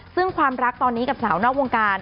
ซึ่งความรักตอนนี้กับสาวนอกวงการ